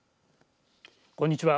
こんにちは。